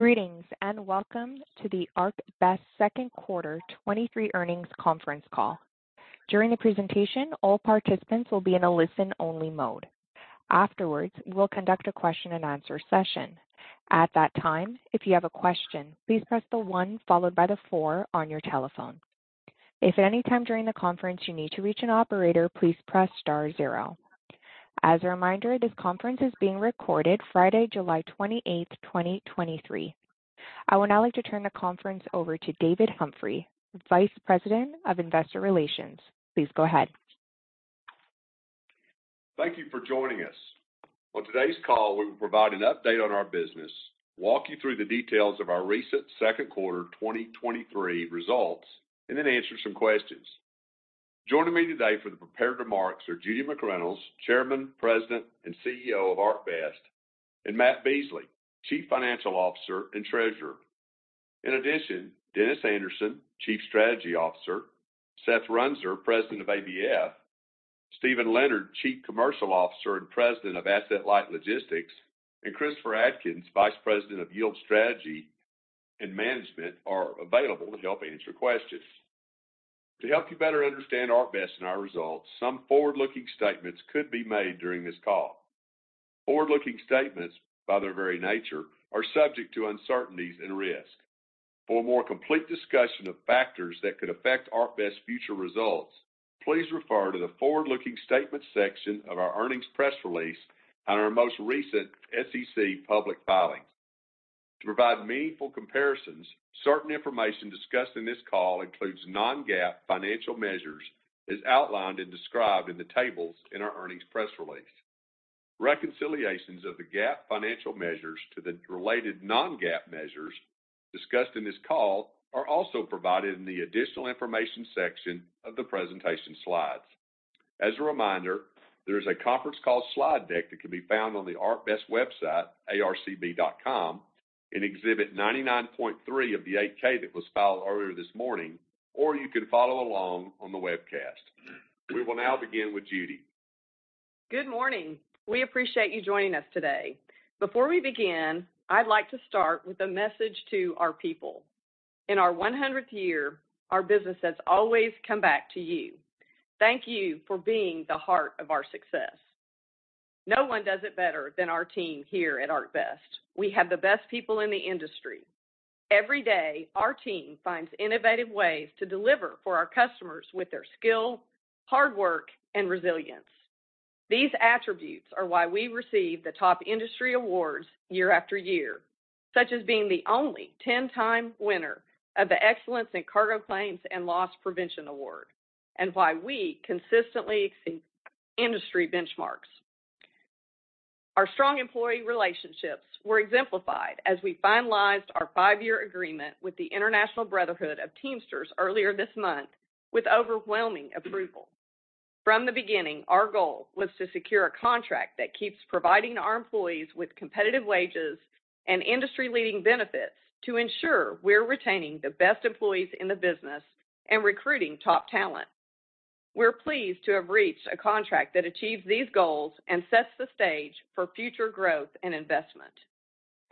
Greetings, and welcome to the ArcBest second quarter 2023 earnings conference call. During the presentation, all participants will be in a listen-only mode. Afterwards, we will conduct a question-and-answer session. At that time, if you have a question, please press the one followed by the four on your telephone. If at any time during the conference you need to reach an operator, please press star 0. As a reminder, this conference is being recorded Friday, July 28th, 2023. I would now like to turn the conference over to David Humphrey, Vice President of Investor Relations. Please go ahead. Thank you for joining us. On today's call, we will provide an update on our business, walk you through the details of our recent second quarter 2023 results, and then answer some questions. Joining me today for the prepared remarks are Judy McReynolds, Chairman, President, and CEO of ArcBest, and Matt Beasley, Chief Financial Officer and Treasurer. In addition, Dennis Anderson, Chief Strategy Officer, Seth Runser, President of ABF, Steven Leonard, Chief Commercial Officer and President of Asset-Light Logistics, and Christopher Adkins, Vice President of Yield Strategy and Management, are available to help answer questions. To help you better understand ArcBest and our results, some forward-looking statements could be made during this call. Forward-looking statements, by their very nature, are subject to uncertainties and risk. For a more complete discussion of factors that could affect ArcBest's future results, please refer to the forward-looking statement section of our earnings press release on our most recent SEC public filings. To provide meaningful comparisons, certain information discussed in this call includes non-GAAP financial measures, as outlined and described in the tables in our earnings press release. Reconciliations of the GAAP financial measures to the related non-GAAP measures discussed in this call are also provided in the additional information section of the presentation slides. As a reminder, there is a conference call slide deck that can be found on the ArcBest website, arcb.com, in Exhibit 99.3 of the 8-K that was filed earlier this morning, or you can follow along on the webcast. We will now begin with Judy. Good morning. We appreciate you joining us today. Before we begin, I'd like to start with a message to our people. In our 100th year, our business has always come back to you. Thank you for being the heart of our success. No one does it better than our team here at ArcBest. We have the best people in the industry. Every day, our team finds innovative ways to deliver for our customers with their skill, hard work, and resilience. These attributes are why we receive the top industry awards year after year, such as being the only 10-time winner of the Excellence in Cargo Claims and Loss Prevention Award, and why we consistently exceed industry benchmarks. Our strong employee relationships were exemplified as we finalized our five-year agreement with the International Brotherhood of Teamsters earlier this month with overwhelming approval. From the beginning, our goal was to secure a contract that keeps providing our employees with competitive wages and industry-leading benefits to ensure we're retaining the best employees in the business and recruiting top talent. We're pleased to have reached a contract that achieves these goals and sets the stage for future growth and investment.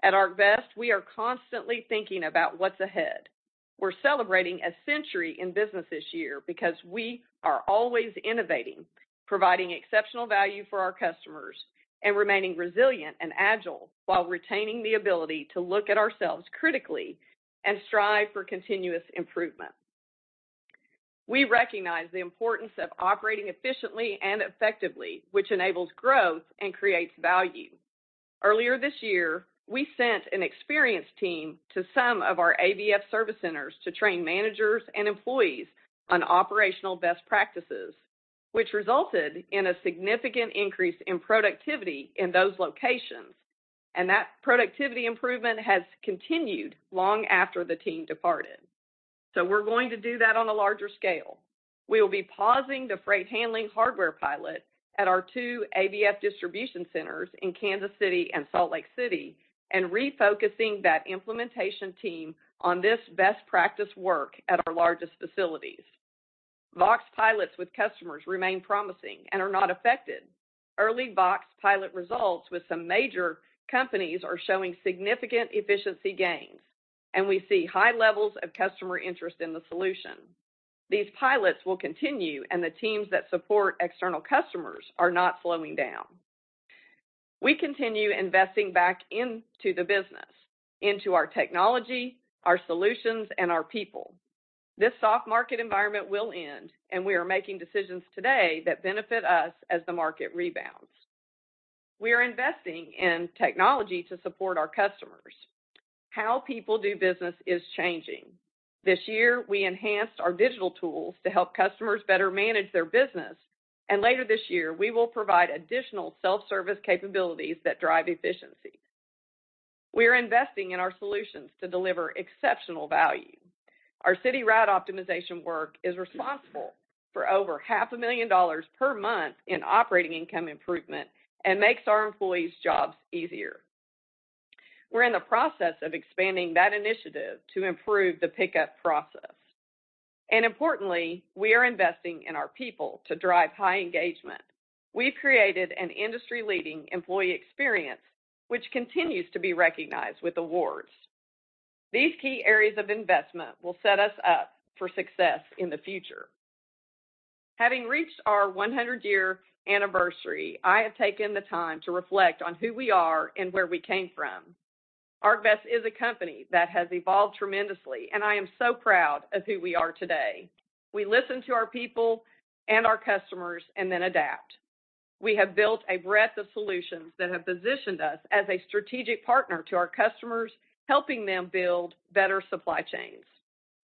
At ArcBest, we are constantly thinking about what's ahead. We're celebrating a century in business this year because we are always innovating, providing exceptional value for our customers, and remaining resilient and agile while retaining the ability to look at ourselves critically and strive for continuous improvement. We recognize the importance of operating efficiently and effectively, which enables growth and creates value. Earlier this year, we sent an experienced team to some of our ABF service centers to train managers and employees on operational best practices, which resulted in a significant increase in productivity in those locations, and that productivity improvement has continued long after the team departed. We're going to do that on a larger scale. We will be pausing the freight handling hardware pilot at our two ABF distribution centers in Kansas City and Salt Lake City and refocusing that implementation team on this best practice work at our largest facilities. Vaux pilots with customers remain promising and are not affected. Early Vaux pilot results with some major companies are showing significant efficiency gains, and we see high levels of customer interest in the solution. These pilots will continue, and the teams that support external customers are not slowing down. We continue investing back into the business, into our technology, our solutions, and our people. This soft market environment will end, and we are making decisions today that benefit us as the market rebounds. We are investing in technology to support our customers. How people do business is changing. This year, we enhanced our digital tools to help customers better manage their business, and later this year, we will provide additional self-service capabilities that drive efficiency. We are investing in our solutions to deliver exceptional value. Our city route optimization work is responsible for over $500,000 per month in operating income improvement and makes our employees' jobs easier. We're in the process of expanding that initiative to improve the pickup process.... Importantly, we are investing in our people to drive high engagement. We've created an industry-leading employee experience, which continues to be recognized with awards. These key areas of investment will set us up for success in the future. Having reached our 100-year anniversary, I have taken the time to reflect on who we are and where we came from. ArcBest is a company that has evolved tremendously, I am so proud of who we are today. We listen to our people and our customers, then adapt. We have built a breadth of solutions that have positioned us as a strategic partner to our customers, helping them build better supply chains.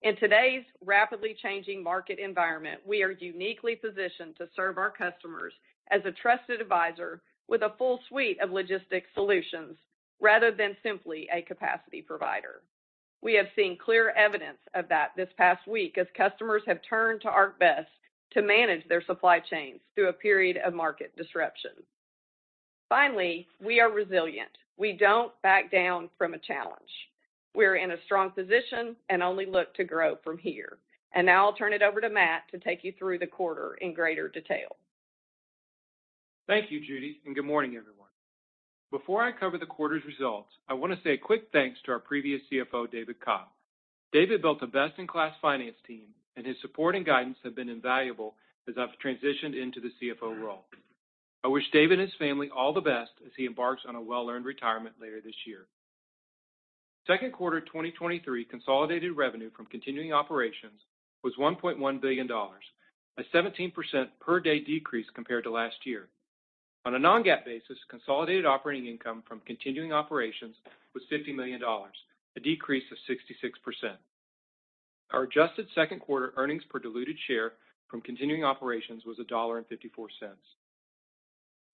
In today's rapidly changing market environment, we are uniquely positioned to serve our customers as a trusted advisor with a full suite of logistics solutions, rather than simply a capacity provider. We have seen clear evidence of that this past week as customers have turned to ArcBest to manage their supply chains through a period of market disruption. Finally, we are resilient. We don't back down from a challenge. We're in a strong position and only look to grow from here. Now I'll turn it over to Matt to take you through the quarter in greater detail. Thank you, Judy. Good morning, everyone. Before I cover the quarter's results, I want to say a quick thanks to our previous CFO, David Cobb. David built a best-in-class finance team, his support and guidance have been invaluable as I've transitioned into the CFO role. I wish Dave and his family all the best as he embarks on a well-earned retirement later this year. Second quarter 2023 consolidated revenue from continuing operations was $1.1 billion, a 17% per day decrease compared to last year. On a non-GAAP basis, consolidated operating income from continuing operations was $50 million, a decrease of 66%. Our adjusted second quarter earnings per diluted share from continuing operations was $1.54.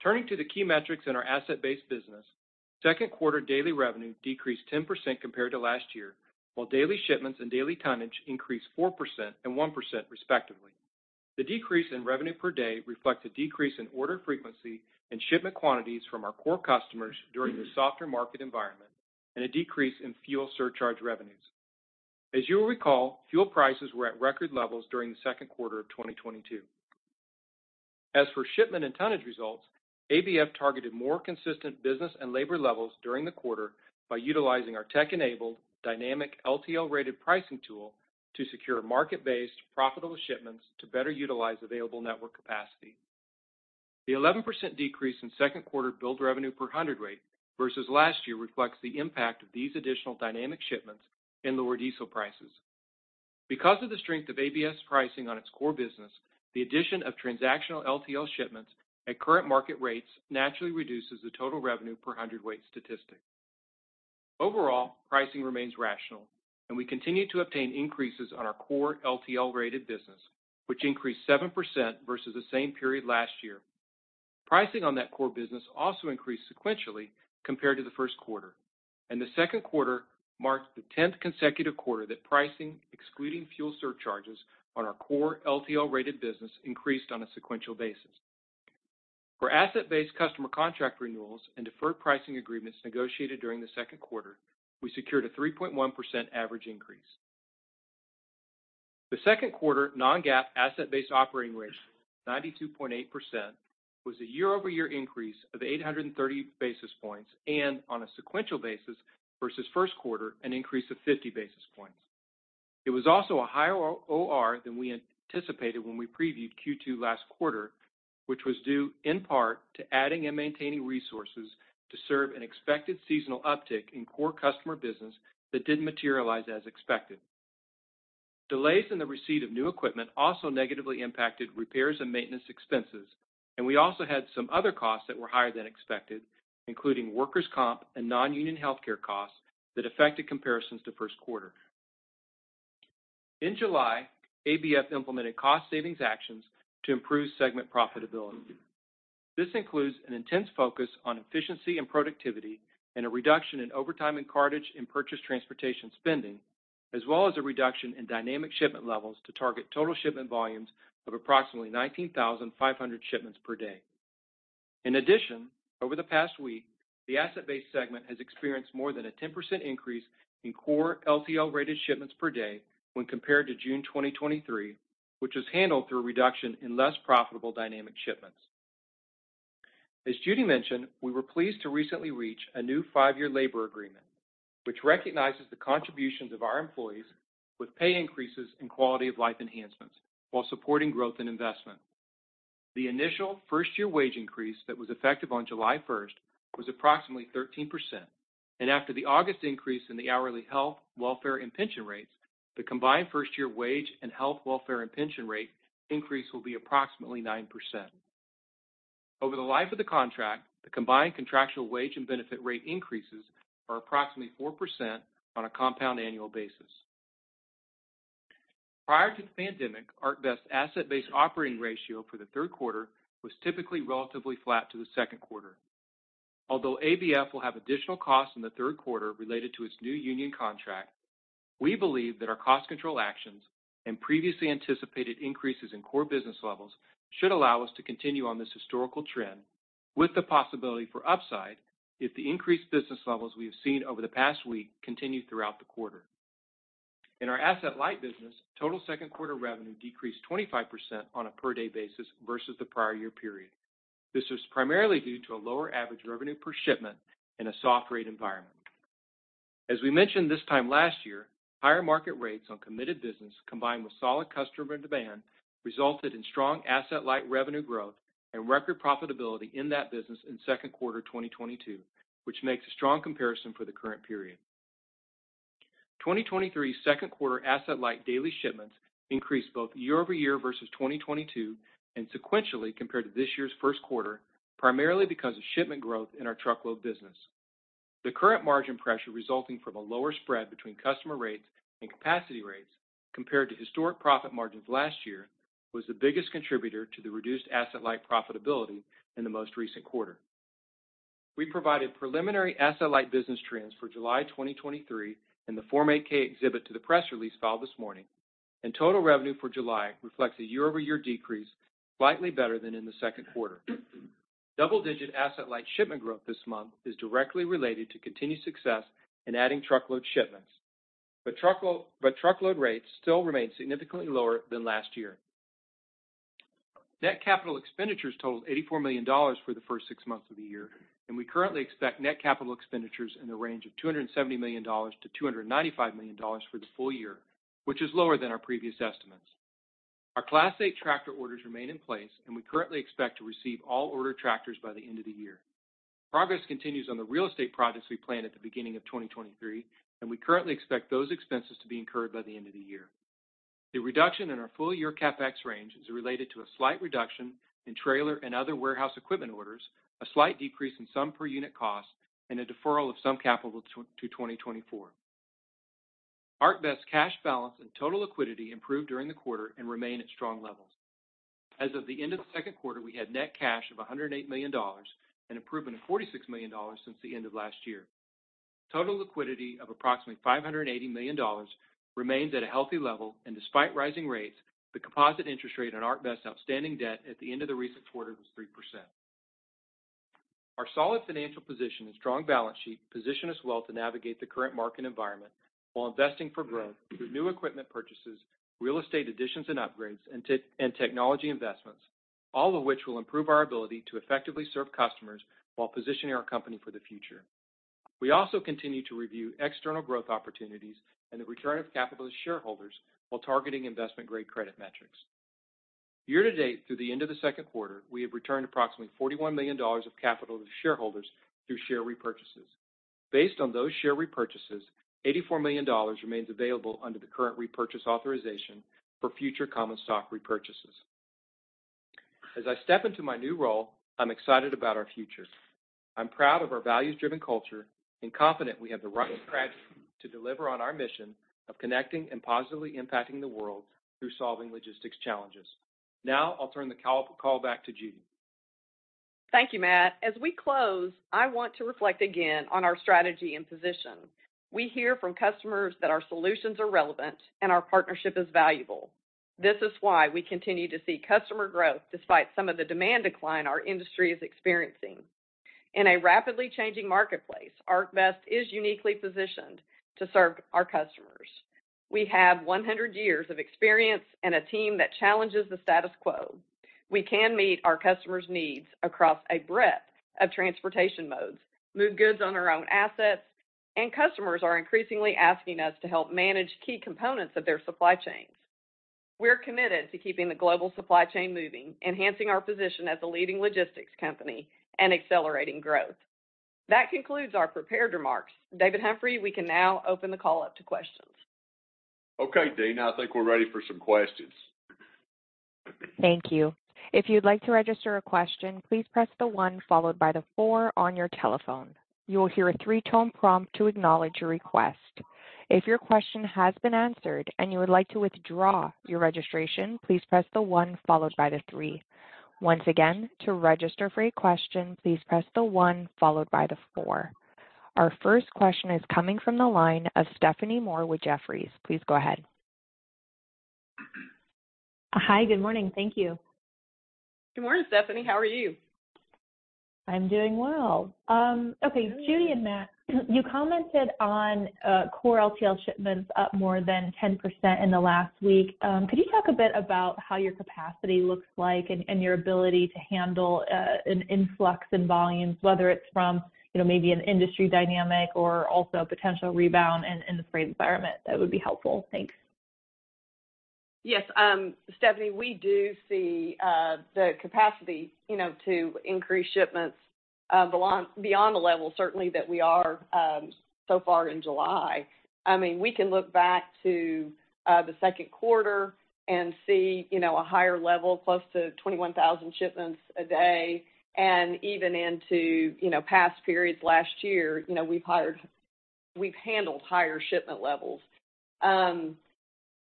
Turning to the key metrics in our asset-based business, second quarter daily revenue decreased 10% compared to last year, while daily shipments and daily tonnage increased 4% and 1%, respectively. The decrease in revenue per day reflects a decrease in order frequency and shipment quantities from our core customers during this softer market environment, and a decrease in fuel surcharge revenues. As you will recall, fuel prices were at record levels during the second quarter of 2022. As for shipment and tonnage results, ABF targeted more consistent business and labor levels during the quarter by utilizing our tech-enabled Dynamic LTL-rated pricing tool to secure market-based, profitable shipments to better utilize available network capacity. The 11% decrease in second quarter billed revenue per hundredweight versus last year reflects the impact of these additional dynamic shipments and lower diesel prices. Because of the strength of ABF's pricing on its core business, the addition of transactional LTL shipments at current market rates naturally reduces the total revenue per hundredweight statistic. Overall, pricing remains rational, and we continue to obtain increases on our core LTL-rated business, which increased 7% versus the same period last year. Pricing on that core business also increased sequentially compared to the first quarter, and the second quarter marked the 10th consecutive quarter that pricing, excluding fuel surcharges, on our core LTL-rated business, increased on a sequential basis. For asset-based customer contract renewals and deferred pricing agreements negotiated during the second quarter, we secured a 3.1% average increase. The second quarter non-GAAP asset-based operating ratio, 92.8%, was a year-over-year increase of 830 basis points. On a sequential basis versus first quarter, an increase of 50 basis points. It was also a higher OR than we anticipated when we previewed Q2 last quarter, which was due in part to adding and maintaining resources to serve an expected seasonal uptick in core customer business that didn't materialize as expected. Delays in the receipt of new equipment also negatively impacted repairs and maintenance expenses. We also had some other costs that were higher than expected, including workers' comp and non-union healthcare costs, that affected comparisons to first quarter. In July, ABF implemented cost savings actions to improve segment profitability. This includes an intense focus on efficiency and productivity, and a reduction in overtime and cartage and purchased transportation spending, as well as a reduction in dynamic shipment levels to target total shipment volumes of approximately 19,500 shipments per day. In addition, over the past week, the asset-based segment has experienced more than a 10% increase in core LTL-rated shipments per day when compared to June 2023, which was handled through a reduction in less profitable dynamic shipments. As Judy mentioned, we were pleased to recently reach a new five-year labor agreement, which recognizes the contributions of our employees with pay increases and quality of life enhancements while supporting growth and investment. The initial first-year wage increase that was effective on July first, was approximately 13%, and after the August increase in the hourly health, welfare, and pension rates, the combined first-year wage and health, welfare, and pension rate increase will be approximately 9%. Over the life of the contract, the combined contractual wage and benefit rate increases are approximately 4% on a compound annual basis. Prior to the pandemic, ArcBest's asset-based operating ratio for the third quarter was typically relatively flat to the second quarter. Although ABF will have additional costs in the third quarter related to its new union contract, we believe that our cost control actions and previously anticipated increases in core business levels should allow us to continue on this historical trend.... with the possibility for upside if the increased business levels we have seen over the past week continue throughout the quarter. In our Asset-Light business, total second quarter revenue decreased 25% on a per-day basis versus the prior year period. This was primarily due to a lower average revenue per shipment and a soft rate environment. As we mentioned this time last year, higher market rates on committed business, combined with solid customer demand, resulted in strong Asset-Light revenue growth and record profitability in that business in second quarter, 2022, which makes a strong comparison for the current period. 2023 second quarter Asset-Light daily shipments increased both year-over-year versus 2022 and sequentially compared to this year's first quarter, primarily because of shipment growth in our truckload business. The current margin pressure resulting from the lower spread between customer rates and capacity rates compared to historic profit margins last year, was the biggest contributor to the reduced Asset-Light profitability in the most recent quarter. We provided preliminary Asset-Light business trends for July 2023 in the Form 8-K exhibit to the press release filed this morning. Total revenue for July reflects a year-over-year decrease, slightly better than in the second quarter. Double-digit Asset-Light shipment growth this month is directly related to continued success in adding truckload shipments. Truckload rates still remain significantly lower than last year. Net capital expenditures totaled $84 million for the first six months of the year. We currently expect net capital expenditures in the range of $270 million-$295 million for the full year, which is lower than our previous estimates. Our Class 8 tractor orders remain in place. We currently expect to receive all ordered tractors by the end of the year. Progress continues on the real estate projects we planned at the beginning of 2023, and we currently expect those expenses to be incurred by the end of the year. The reduction in our full-year CapEx range is related to a slight reduction in trailer and other warehouse equipment orders, a slight decrease in some per-unit costs, and a deferral of some capital to 2024. ArcBest's cash balance and total liquidity improved during the quarter and remain at strong levels. As of the end of the second quarter, we had net cash of $108 million, an improvement of $46 million since the end of last year. Total liquidity of approximately $580 million remains at a healthy level, and despite rising rates, the composite interest rate on ArcBest's outstanding debt at the end of the recent quarter was 3%. Our solid financial position and strong balance sheet position us well to navigate the current market environment while investing for growth through new equipment purchases, real estate additions and upgrades, and tech, and technology investments, all of which will improve our ability to effectively serve customers while positioning our company for the future. We also continue to review external growth opportunities and the return of capital to shareholders while targeting investment-grade credit metrics. Year-to-date, through the end of the second quarter, we have returned approximately $41 million of capital to shareholders through share repurchases. Based on those share repurchases, $84 million remains available under the current repurchase authorization for future common stock repurchases. As I step into my new role, I'm excited about our future. I'm proud of our values-driven culture and confident we have the right strategy to deliver on our mission of connecting and positively impacting the world through solving logistics challenges. Now I'll turn the call back to Judy. Thank you, Matt. As we close, I want to reflect again on our strategy and position. We hear from customers that our solutions are relevant and our partnership is valuable. This is why we continue to see customer growth despite some of the demand decline our industry is experiencing. In a rapidly changing marketplace, ArcBest is uniquely positioned to serve our customers. We have 100 years of experience and a team that challenges the status quo. We can meet our customers' needs across a breadth of transportation modes, move goods on our own assets, and customers are increasingly asking us to help manage key components of their supply chains. We're committed to keeping the global supply chain moving, enhancing our position as a leading logistics company, and accelerating growth. That concludes our prepared remarks. David Humphrey, we can now open the call up to questions. Okay, Dina, I think we're ready for some questions. Thank you. If you'd like to register a question, please press the one followed by the four on your telephone. You will hear a 3-tone prompt to acknowledge your request. If your question has been answered and you would like to withdraw your registration, please press the one followed by the three. Once again, to register for a question, please press the one followed by the four. Our first question is coming from the line of Stephanie Moore with Jefferies. Please go ahead. Hi, good morning. Thank you. Good morning, Stephanie. How are you? I'm doing well. Okay, Judy and Matt, you commented on core LTL shipments up more than 10% in the last week. Could you talk a bit about how your capacity looks like and, and your ability to handle an influx in volumes, whether it's from, you know, maybe an industry dynamic or also a potential rebound in, in the freight environment? That would be helpful. Thanks. Yes, Stephanie, we do see the capacity, you know, to increase shipments, belong, beyond the level, certainly that we are so far in July. I mean, we can look back to the second quarter and see, you know, a higher level, close to 21,000 shipments a day, and even into, you know, past periods last year, you know, we've handled higher shipment levels.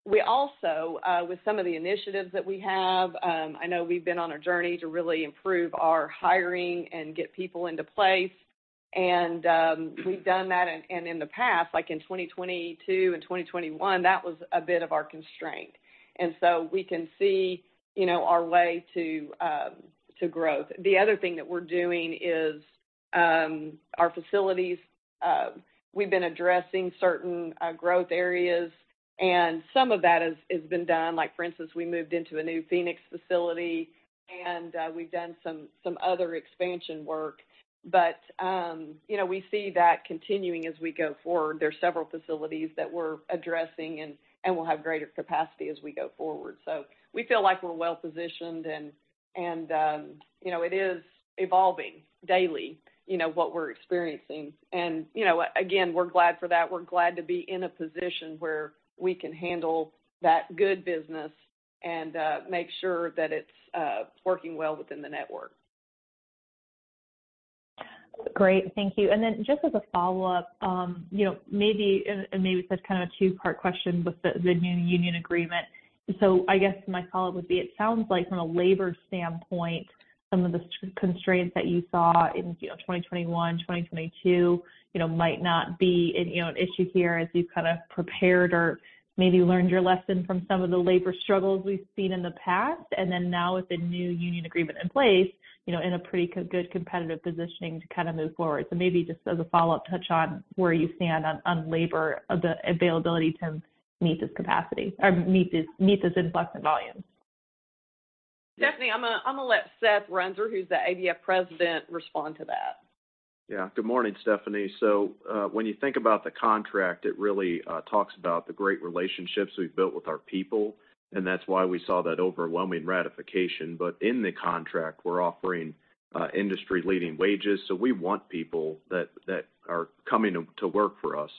We also, with some of the initiatives that we have, I know we've been on a journey to really improve our hiring and get people into place. We've done that. In the past, like in 2022 and 2021, that was a bit of our constraint. So we can see, you know, our way to growth. The other thing that we're doing is our facilities. We've been addressing certain growth areas. Some of that has been done. Like, for instance, we moved into a new Phoenix facility, and we've done some other expansion work. You know, we see that continuing as we go forward. There are several facilities that we're addressing, and we'll have greater capacity as we go forward. We feel like we're well positioned, and, you know, it is evolving daily, you know, what we're experiencing. You know, again, we're glad for that. We're glad to be in a position where we can handle that good business and make sure that it's working well within the network. Great. Thank you. Just as a follow-up, you know, maybe, and, and maybe this is kind of a two-part question with the, the new union agreement. I guess my follow-up would be: it sounds like from a labor standpoint, some of the constraints that you saw in, you know, 2021, 2022, you know, might not be an, you know, an issue here as you've kind of prepared or maybe learned your lesson from some of the labor struggles we've seen in the past. Now, with the new union agreement in place, you know, in a pretty good competitive positioning to kind of move forward. Maybe just as a follow-up, touch on where you stand on, on labor, of the availability to meet this capacity or meet this, meet this influx in volumes. Stephanie, I'm gonna, I'm gonna let Seth Runser, who's the ABF president, respond to that. Yeah. Good morning, Stephanie. When you think about the contract, it really talks about the great relationships we've built with our people, and that's why we saw that overwhelming ratification. In the contract, we're offering industry-leading wages, so we want people that are coming to work for us.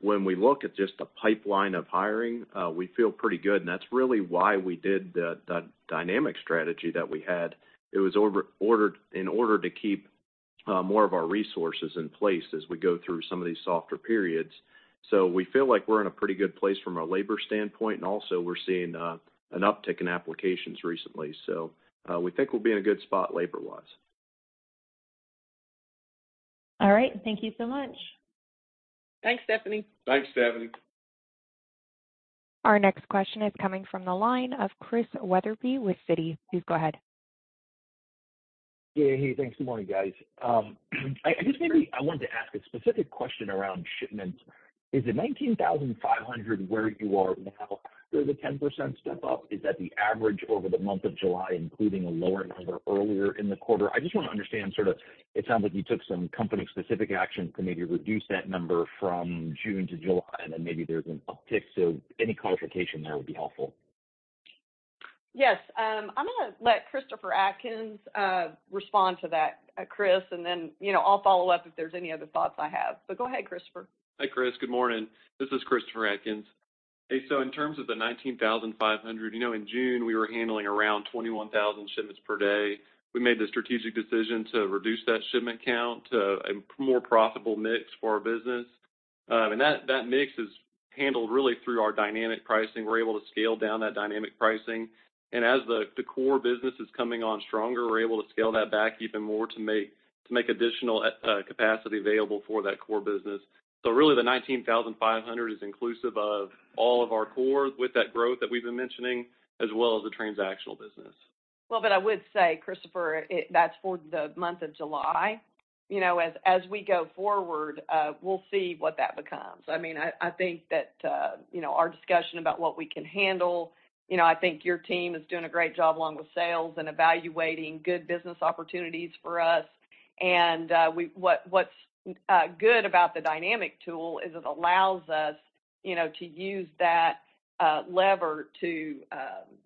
When we look at just the pipeline of hiring, we feel pretty good, and that's really why we did the dynamic strategy that we had. It was ordered, in order to keep more of our resources in place as we go through some of these softer periods. We feel like we're in a pretty good place from a labor standpoint, and also we're seeing an uptick in applications relcently. We think we'll be in a good spot labor-wise. All right. Thank you so much. Thanks, Stephanie. Thanks, Stephanie. Our next question is coming from the line of Chris Wetherbee with Citi. Please go ahead. Yeah. Hey, thanks. Good morning, guys. I just maybe I wanted to ask a specific question around shipments. Is the 19,500 where you are now the 10% step-up? Is that the average over the month of July, including a lower number earlier in the quarter? I just want to understand sort of... It sounds like you took some company-specific actions to maybe reduce that number from June to July, and then maybe there's an uptick. Any clarification there would be helpful. Yes, I'm gonna let Christopher Adkins, respond to that, Chris, and then, you know, I'll follow up if there's any other thoughts I have. Go ahead, Christopher. Hi, Chris. Good morning. This is Christopher Adkins. So in terms of the 19,500, you know, in June, we were handling around 21,000 shipments per day. We made the strategic decision to reduce that shipment count to a more profitable mix for our business. That, that mix is handled really through our Dynamic Pricing. We're able to scale down that Dynamic Pricing, and as the, the core business is coming on stronger, we're able to scale that back even more to make, to make additional capacity available for that core business. Really, the 19,500 is inclusive of all of our core with that growth that we've been mentioning, as well as the transactional business. Well, I would say, Christopher, that's for the month of July. You know, as we go forward, we'll see what that becomes. I mean, I think that, you know, our discussion about what we can handle, you know, I think your team is doing a great job along with sales and evaluating good business opportunities for us. What's good about the dynamic tool is it allows us, you know, to use that lever to,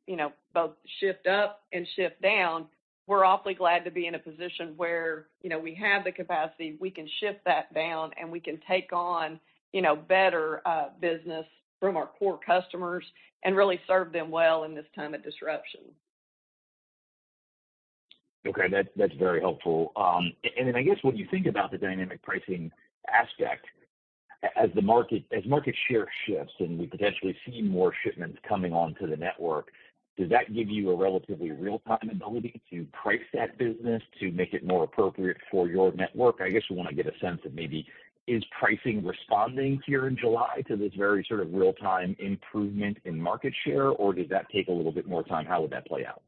you know, both shift up and shift down. We're awfully glad to be in a position where, you know, we have the capacity, we can shift that down, and we can take on, you know, better business from our core customers and really serve them well in this time of disruption. Okay. That's, that's very helpful. I guess when you think about the dynamic pricing aspect, as market share shifts and we potentially see more shipments coming onto the network, does that give you a relatively real-time ability to price that business to make it more appropriate for your network? I guess we want to get a sense of maybe, is pricing responding here in July to this very sort of real-time improvement in market share, or does that take a little bit more time? How would that play out?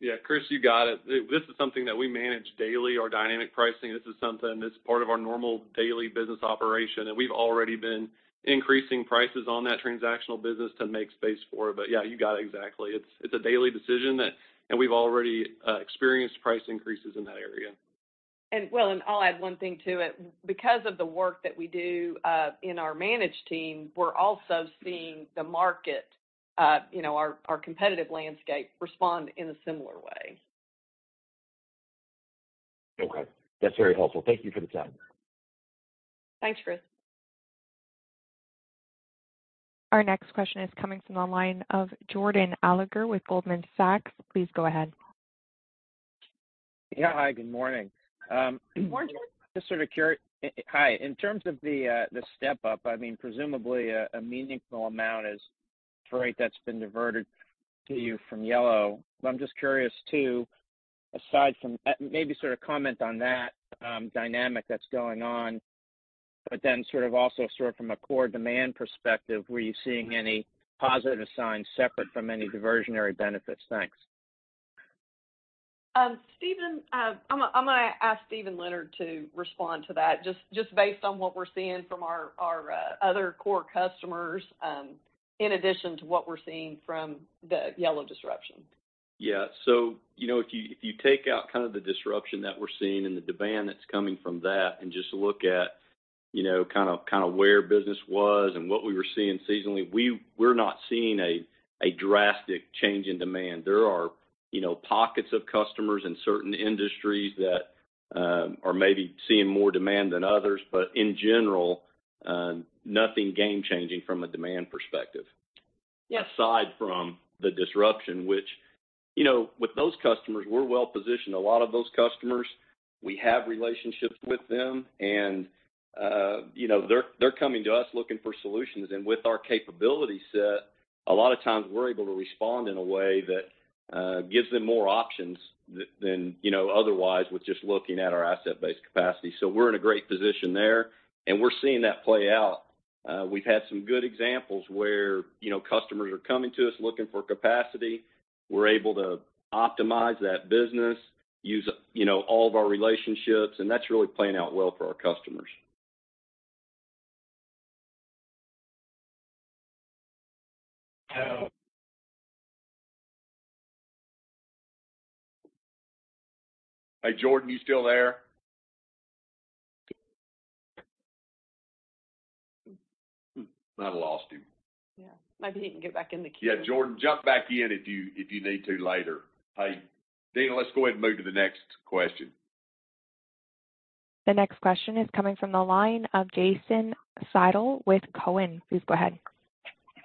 Yeah, Chris, you got it. This is something that we manage daily, our Dynamic Pricing. This is something that's part of our normal daily business operation. We've already been increasing prices on that transactional business to make space for it. Yeah, you got it exactly. It's, it's a daily decision that. We've already experienced price increases in that area. Well, and I'll add one thing to it. Because of the work that we do, in our managed team, we're also seeing the market, you know, our, our competitive landscape respond in a similar way. Okay. That's very helpful. Thank you for the time. Thanks, Chris. Our next question is coming from the line of Jordan Alliger with Goldman Sachs. Please go ahead. Yeah. Hi, good morning. Good morning. Just sort of Hi. In terms of the, the step-up, I mean, presumably a, a meaningful amount is freight that's been diverted to you from Yellow. I'm just curious, too, aside from, maybe sort of comment on that, dynamic that's going on, then sort of also sort of from a core demand perspective, were you seeing any positive signs separate from any diversionary benefits? Thanks. Steven, I'm gonna, I'm gonna ask Steven Leonard to respond to that, just, just based on what we're seeing from our, our, other core customers, in addition to what we're seeing from the Yellow disruption. Yeah. You know, if you, if you take out kind of the disruption that we're seeing and the demand that's coming from that, and just look at, you know, kind of, kind of where business was and what we were seeing seasonally, we're not seeing a drastic change in demand. There are, you know, pockets of customers in certain industries that are maybe seeing more demand than others, but in general, nothing game changing from a demand perspective. Yeah. Aside from the disruption, which, you know, with those customers, we're well positioned. A lot of those customers, we have relationships with them, and, you know, they're, they're coming to us looking for solutions. And with our capability set, a lot of times we're able to respond in a way that gives them more options than, you know, otherwise, with just looking at our asset-based capacity. We're in a great position there, and we're seeing that play out. We've had some good examples where, you know, customers are coming to us looking for capacity. We're able to optimize that business, use, you know, all of our relationships, and that's really playing out well for our customers. Hey, Jordan, you still there? Hmm, I lost him. Yeah. Maybe he can get back in the queue. Yeah, Jordan, jump back in if you, if you need to later. Hey, Dana, let's go ahead and move to the next question. The next question is coming from the line of Jason Seidl with Cowen. Please go ahead.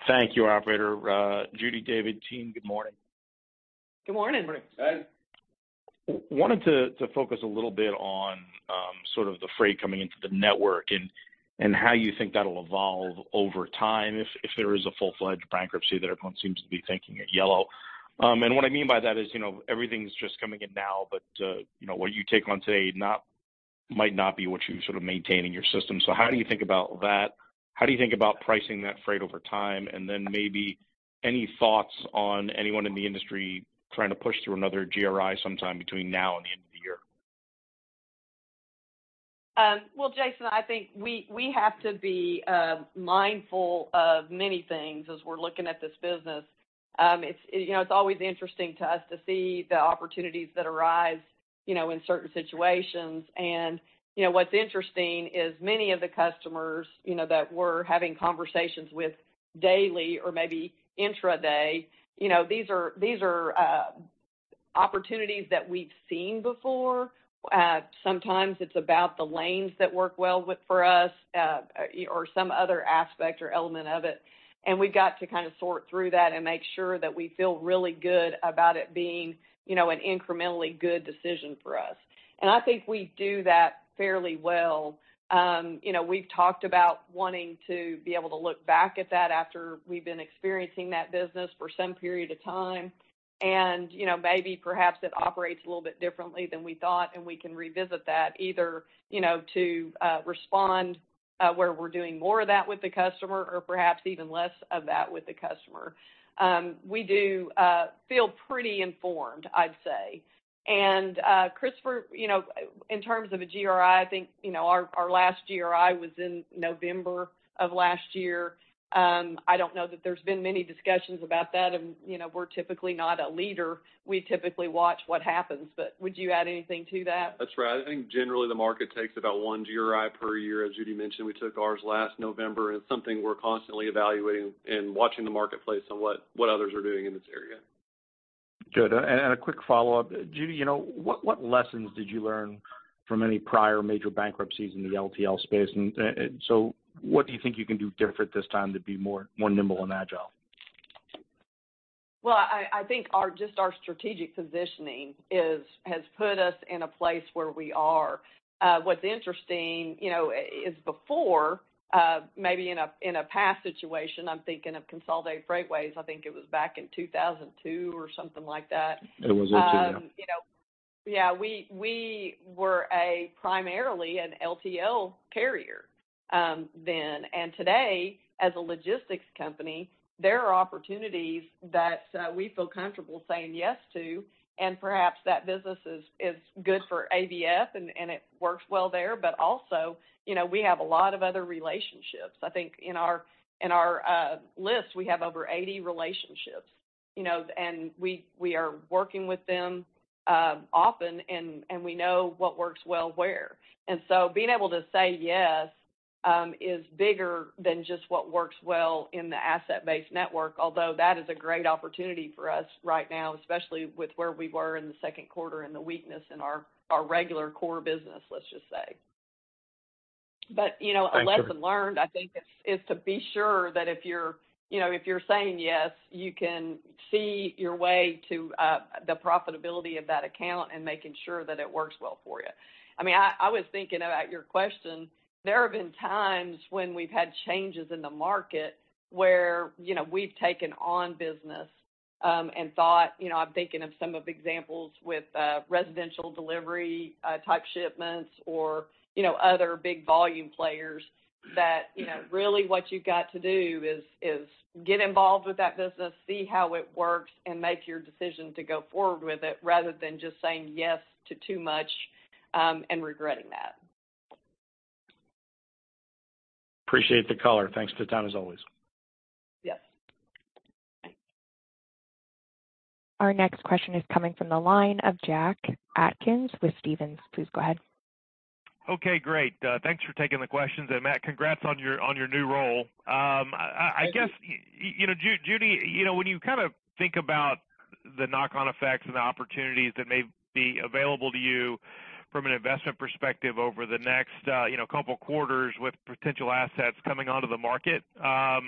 Thank you, operator. Judy, David, team, good morning. Good morning. Wanted to, to focus a little bit on sort of the freight coming into the network and, and how you think that'll evolve over time if, if there is a full-fledged bankruptcy that everyone seems to be thinking at Yellow. What I mean by that is, you know, everything's just coming in now, but, you know, what you take on today, not-- might not be what you're sort of maintaining your system. How do you think about that? How do you think about pricing that freight over time? Maybe any thoughts on anyone in the industry trying to push through another GRI sometime between now and the end of the year? Well, Jason, I think we, we have to be mindful of many things as we're looking at this business. It's, you know, it's always interesting to us to see the opportunities that arise, you know, in certain situations. You know, what's interesting is many of the customers, you know, that we're having conversations with daily or maybe intraday, you know, these are, these are opportunities that we've seen before. Sometimes it's about the lanes that work well for us, or some other aspect or element of it, and we've got to kind of sort through that and make sure that we feel really good about it being, you know, an incrementally good decision for us. I think we do that fairly well. You know, we've talked about wanting to be able to look back at that after we've been experiencing that business for some period of time. You know, maybe perhaps it operates a little bit differently than we thought, and we can revisit that either, you know, to respond where we're doing more of that with the customer or perhaps even less of that with the customer. We do feel pretty informed, I'd say. Christopher, you know, in terms of a GRI, I think, you know, our, our last GRI was in November of last year. I don't know that there's been many discussions about that. You know, we're typically not a leader. We typically watch what happens. Would you add anything to that? That's right. I think generally the market takes about one GRI per year. As Judy mentioned, we took ours last November. It's something we're constantly evaluating and watching the marketplace on what, what others are doing in this area. Good. A quick follow-up. Judy, you know, what, what lessons did you learn from any prior major bankruptcies in the LTL space? What do you think you can do different this time to be more, more nimble and agile? Well, I think our just our strategic positioning is, has put us in a place where we are. What's interesting, you know, is before, maybe in a, in a past situation, I'm thinking of Consolidated Freightways, I think it was back in 2002 or something like that. It was 2002, yeah. You know, yeah, we, we were a primarily an LTL carrier, then. Today, as a logistics company, there are opportunities that, we feel comfortable saying yes to, and perhaps that business is, is good for ABF, and, and it works well there. Also, you know, we have a lot of other relationships. I think in our, in our, list, we have over 80 relationships, you know, and we, we are working with them, often, and, and we know what works well where. So being able to say yes, is bigger than just what works well in the asset-based network, although that is a great opportunity for us right now, especially with where we were in the second quarter and the weakness in our, our regular core business, let's just say. You know. Thank you. A lesson learned, I think, is, is to be sure that if you're, you know, if you're saying yes, you can see your way to the profitability of that account and making sure that it works well for you. I mean, I, I was thinking about your question. There have been times when we've had changes in the market where, you know, we've taken on business-... and thought, you know, I'm thinking of some of examples with residential delivery type shipments or, you know, other big volume players that, you know, really what you've got to do is, is get involved with that business, see how it works, and make your decision to go forward with it, rather than just saying yes to too much and regretting that. Appreciate the color. Thanks for the time, as always. Yes. Our next question is coming from the line of Jack Atkins with Stephens. Please go ahead. Okay, great. Thanks for taking the questions. Matt, congrats on your, on your new role. You know, Judy, you know, when you kind of think about the knock-on effects and the opportunities that may be available to you from an investment perspective over the next, you know, couple quarters with potential assets coming onto the market, are,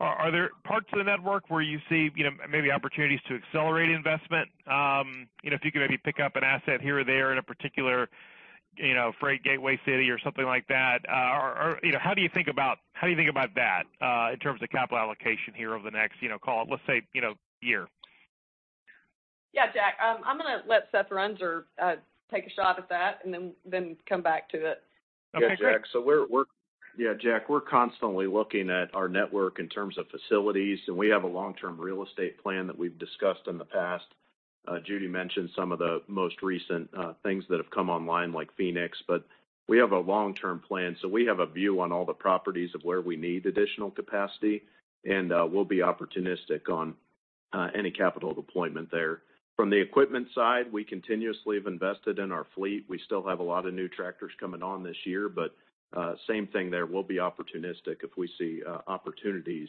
are there parts of the network where you see, you know, maybe opportunities to accelerate investment? You know, if you could maybe pick up an asset here or there in a particular, you know, freight gateway city or something like that, or, you know, how do you think about, how do you think about that in terms of capital allocation here over the next, you know, call it, let's say, you know, year? Yeah, Jack, I'm going to let Seth Runser take a shot at that and then, then come back to it. Okay, great. Yeah, Jack, we're constantly looking at our network in terms of facilities, and we have a long-term real estate plan that we've discussed in the past. Judy mentioned some of the most recent things that have come online, like Phoenix, but we have a long-term plan. We have a view on all the properties of where we need additional capacity, and we'll be opportunistic on any capital deployment there. From the equipment side, we continuously have invested in our fleet. We still have a lot of new tractors coming on this year, same thing there. We'll be opportunistic if we see opportunities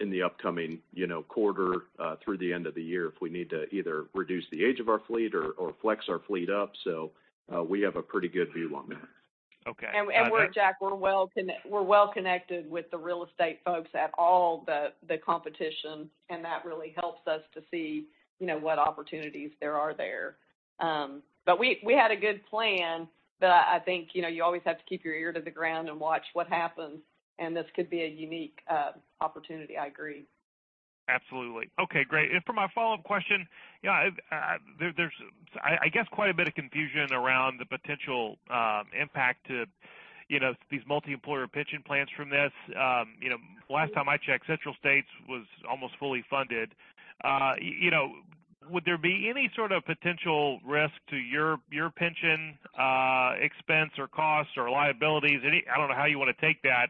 in the upcoming, you know, quarter through the end of the year, if we need to either reduce the age of our fleet or flex our fleet up. We have a pretty good view on that. Okay. and we're, Jack, we're well connect-- we're well connected with the real estate folks at all the, the competition, and that really helps us to see, you know, what opportunities there are there. We, we had a good plan, but I think, you know, you always have to keep your ear to the ground and watch what happens, and this could be a unique opportunity. I agree. Absolutely. Okay, great. For my follow-up question, you know, I've, there, there's, I, I guess, quite a bit of confusion around the potential impact to, you know, these multiemployer pension plans from this. You know, last time I checked, Central States was almost fully funded. You know, would there be any sort of potential risk to your, your pension expense or costs or liabilities? Any... I don't know how you want to take that,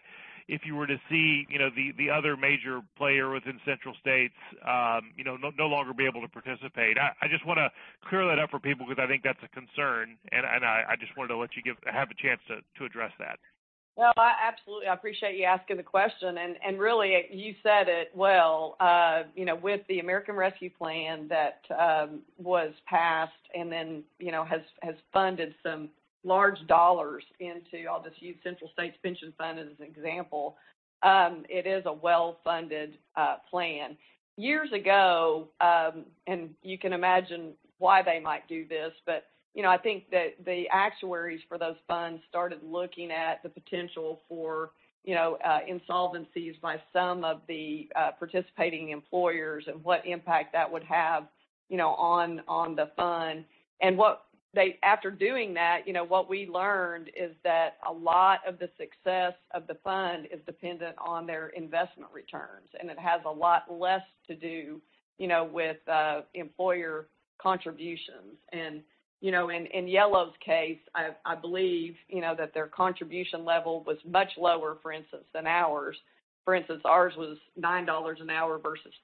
if you were to see, you know, the, the other major player within Central States, you know, no, no longer be able to participate. I, I just want to clear that up for people because I think that's a concern, and I, I just wanted to let you have a chance to address that. Well, I absolutely appreciate you asking the question, and, and really, you said it well. you know, with the American Rescue Plan that was passed and then, you know, has, has funded some large dollars into, I'll just use Central States Pension Fund as an example, it is a well-funded plan. Years ago, and you can imagine why they might do this, but, you know, I think that the actuaries for those funds started looking at the potential for, you know, insolvencies by some of the participating employers and what impact that would have, you know, on, on the fund. After doing that, you know, what we learned is that a lot of the success of the fund is dependent on their investment returns, and it has a lot less to do, you know, with employer contributions. You know, in, in Yellow's case, I, I believe, you know, that their contribution level was much lower, for instance, than ours. For instance, ours was $9 an hour versus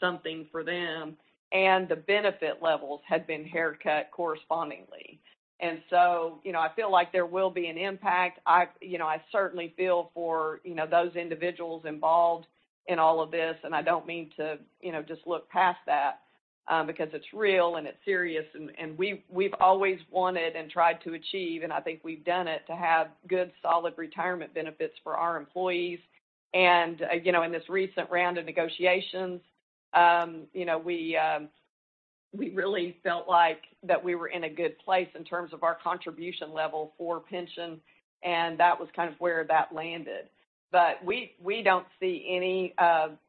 something for them, and the benefit levels had been haircut correspondingly. You know, I feel like there will be an impact. I've. You know, I certainly feel for, you know, those individuals involved in all of this, and I don't mean to, you know, just look past that because it's real, and it's serious. We've, we've always wanted and tried to achieve, and I think we've done it, to have good, solid retirement benefits for our employees. You know, in this recent round of negotiations, you know, we really felt like that we were in a good place in terms of our contribution level for pension, and that was kind of where that landed. We, we don't see any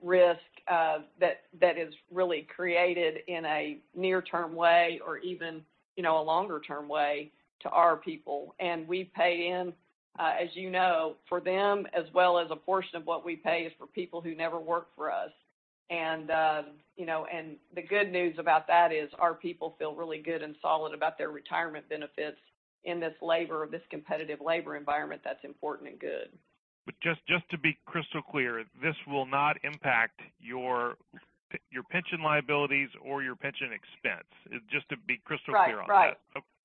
risk that, that is really created in a near-term way or even, you know, a longer-term way to our people. We pay in, as you know, for them, as well as a portion of what we pay is for people who never worked for us. You know, and the good news about that is our people feel really good and solid about their retirement benefits in this labor, this competitive labor environment, that's important and good. Just, just to be crystal clear, this will not impact your, your pension liabilities or your pension expense? Just to be crystal clear on that. Right.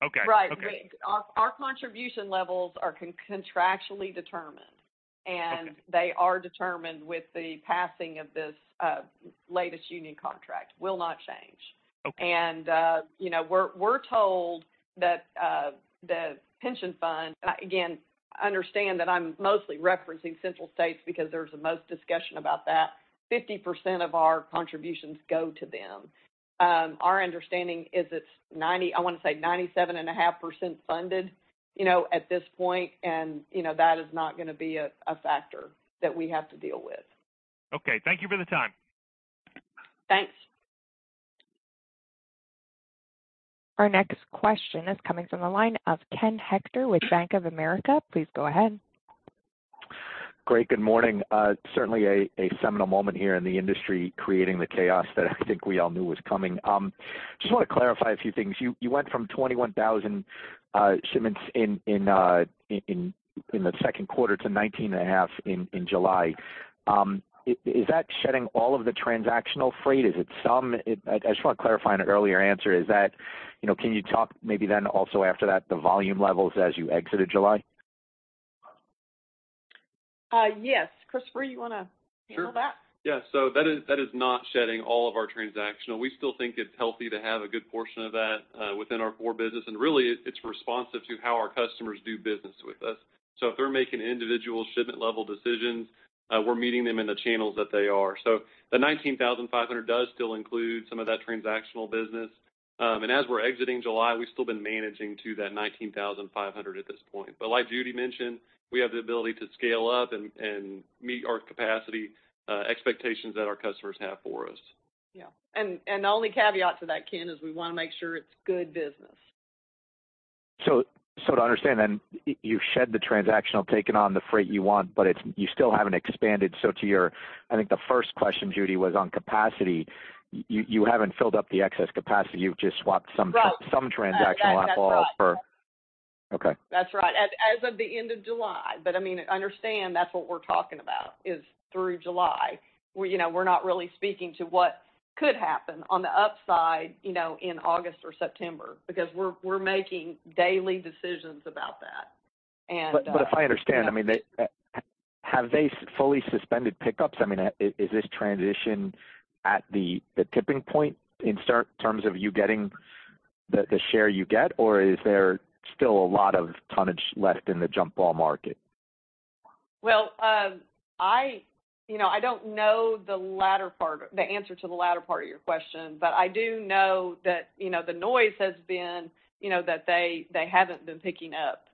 Okay. Right. Okay. Our, our contribution levels are contractually determined. Okay... and they are determined with the passing of this, latest union contract. Will not change. Okay. You know, we're, we're told that the pension fund, again, understand that I'm mostly referencing Central States because there's the most discussion about that. 50% of our contributions go to them. Our understanding is it's 97.5% funded, you know, at this point, you know, that is not going to be a, a factor that we have to deal with. Okay. Thank you for the time. Thanks. Our next question is coming from the line of Ken Hoexter with Bank of America. Please go ahead. Great. Good morning. Certainly a, a seminal moment here in the industry, creating the chaos that I think we all knew was coming. Just want to clarify a few things. You, you went from 21,000 shipments in, in the second quarter to 19,500 in, in July. Is, is that shedding all of the transactional freight? Is it some? I just want to clarify on an earlier answer, is that, you know, can you talk maybe then also after that, the volume levels as you exited July? Yes. Christopher, you want to handle that? Sure. Yeah. That is, that is not shedding all of our transactional. We still think it's healthy to have a good portion of that within our core business, and really, it, it's responsive to how our customers do business with us. If they're making individual shipment level decisions, we're meeting them in the channels that they are. The 19,500 does still include some of that transactional business. As we're exiting July, we've still been managing to that 19,500 at this point. Like Judy mentioned, we have the ability to scale up and, and meet our capacity expectations that our customers have for us. Yeah. The only caveat to that, Ken, is we want to make sure it's good business. To understand then, so you've shed the transactional, taken on the freight you want, but it's you still haven't expanded. To your, I think the first question, Judy, was on capacity. You, you haven't filled up the excess capacity. You've just swapped some. Right... some transactional off all for- That's right. Okay. That's right. As of the end of July, I mean, understand, that's what we're talking about, is through July. We, you know, we're not really speaking to what could happen on the upside, you know, in August or September, because we're, we're making daily decisions about that. If I understand, I mean, they have they fully suspended pickups? I mean, is this transition at the tipping point in terms of you getting the share you get? Is there still a lot of tonnage left in the jump ball market? Well, I, you know, I don't know the latter part-- the answer to the latter part of your question, but I do know that, you know, the noise has been, you know, that they, they haven't been picking up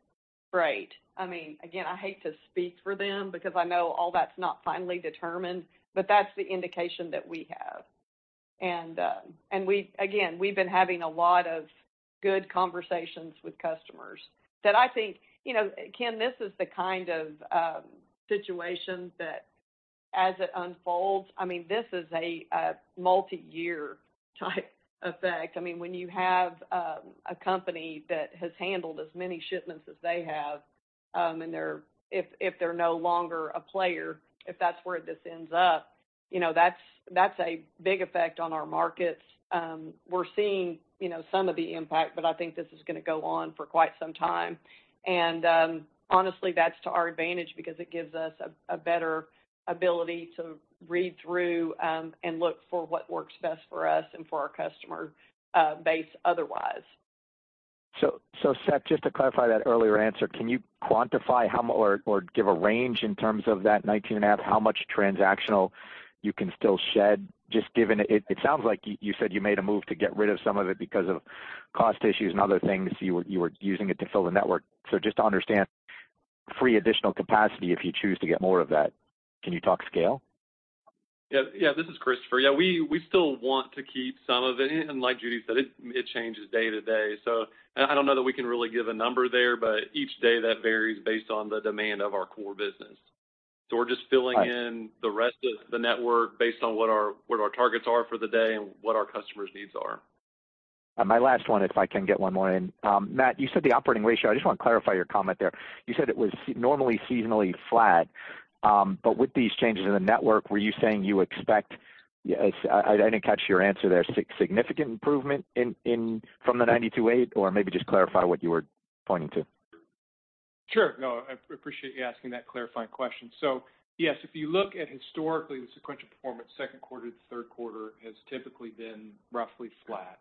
freight. I mean, again, I hate to speak for them because I know all that's not finally determined, but that's the indication that we have. Again, we've been having a lot of good conversations with customers that I think, you know, Ken, this is the kind of situation that as it unfolds, I mean, this is a, a multiyear type effect. I mean, when you have a company that has handled as many shipments as they have, and if, if they're no longer a player, if that's where this ends up, you know, that's, that's a big effect on our markets. We're seeing, you know, some of the impact, but I think this is going to go on for quite some time. Honestly, that's to our advantage because it gives us a, a better ability to read through and look for what works best for us and for our customer base otherwise. Seth, just to clarify that earlier answer, can you quantify how or give a range in terms of that 19.5, how much transactional you can still shed? Just given it, it sounds like you said you made a move to get rid of some of it because of cost issues and other things. You were using it to fill the network. Just to understand, free additional capacity, if you choose to get more of that, can you talk scale? Yeah, yeah, this is Christopher. Yeah, we, we still want to keep some of it. Like Judy said, it, it changes day to day. I, I don't know that we can really give a number there, but each day that varies based on the demand of our core business. Right. We're just filling in the rest of the network based on what our, what our targets are for the day and what our customers' needs are. My last one, if I can get one more in. Matt, you said the operating ratio. I just want to clarify your comment there. You said it was s- normally seasonally flat, but with these changes in the network, were you saying you expect... I, I didn't catch your answer there. Sig-significant improvement in, in from the 92.8, or maybe just clarify what you were pointing to? Sure. No, I appreciate you asking that clarifying question. Yes, if you look at historically, the sequential performance, second quarter to third quarter has typically been roughly flat.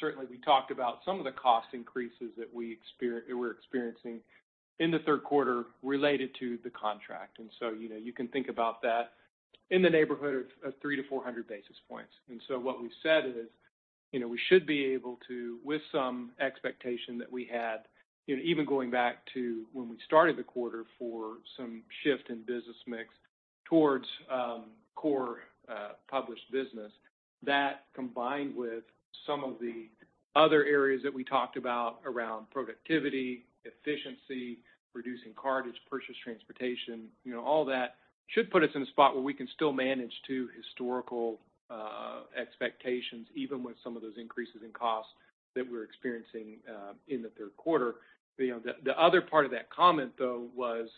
Certainly, you know, we talked about some of the cost increases that we're experiencing in the third quarter related to the contract. You know, you can think about that in the neighborhood of 300-400 basis points. What we've said is, you know, we should be able to, with some expectation that we had, you know, even going back to when we started the quarter for some shift in business mix towards core published business, that combined with some of the other areas that we talked about around productivity, efficiency, reducing cartage, purchased transportation. You know, all that should put us in a spot where we can still manage to historical expectations, even with some of those increases in costs that we're experiencing in the third quarter. You know, the, the other part of that comment, though, was,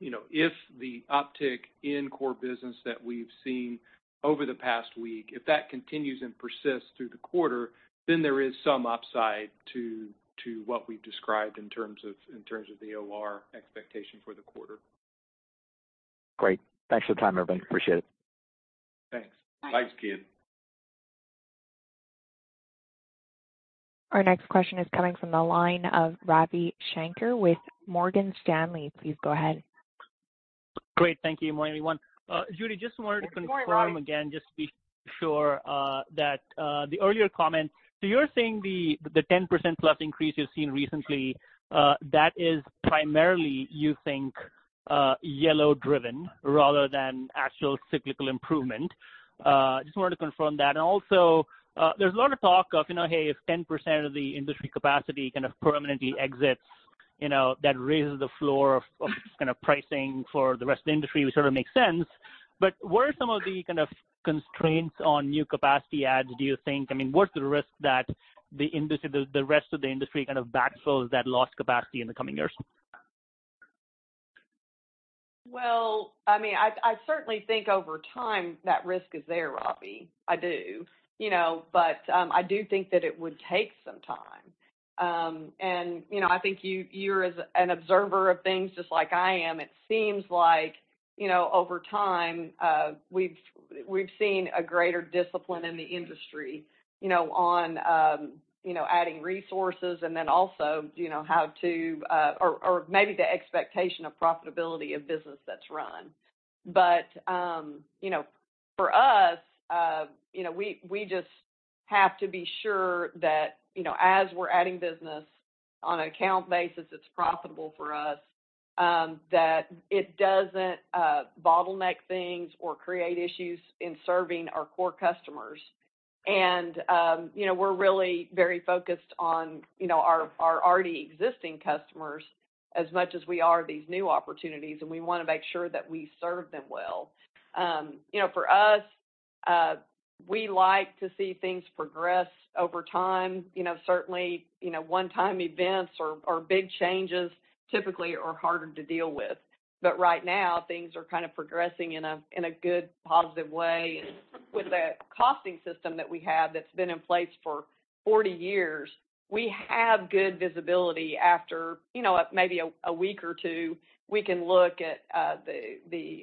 you know, if the uptick in core business that we've seen over the past week, if that continues and persists through the quarter, then there is some upside to, to what we've described in terms of, in terms of the OR expectation for the quarter. Great. Thanks for the time, everyone. Appreciate it. Thanks. Bye. Thanks, Ken. Our next question is coming from the line of Ravi Shanker with Morgan Stanley. Please go ahead. Great. Thank you, good morning, everyone. Judy, just wanted to. Good morning, Ravi.... confirm again, just to be sure, that, the earlier comment. You're saying the, the 10% plus increase you've seen recently, that is primarily, you think, Yellow driven rather than actual cyclical improvement? Just wanted to confirm that. Also, there's a lot of talk of, you know, hey, if 10% of the industry capacity kind of permanently exits-... you know, that raises the floor of kind of pricing for the rest of the industry, which sort of makes sense. What are some of the kind of constraints on new capacity adds, do you think? I mean, what's the risk that the industry, the, the rest of the industry kind of backfills that lost capacity in the coming years? Well, I mean, I, I certainly think over time, that risk is there, Ravi. I do. You know, I do think that it would take some time. You know, I think you, you're as an observer of things just like I am, it seems like, you know, over time, we've, we've seen a greater discipline in the industry, you know, on, you know, adding resources and then also, you know, how to, or, or maybe the expectation of profitability of business that's run. You know, for us, you know, we, we just have to be sure that, you know, as we're adding business on an account basis, it's profitable for us, that it doesn't bottleneck things or create issues in serving our core customers. You know, we're really very focused on, you know, our, our already existing customers as much as we are these new opportunities, and we want to make sure that we serve them well. You know, for us, we like to see things progress over time. You know, certainly, you know, one-time events or, or big changes typically are harder to deal with. Right now, things are kind of progressing in a, in a good, positive way. With the costing system that we have that's been in place for 40 years, we have good visibility after, you know, maybe a, a week or two, we can look at the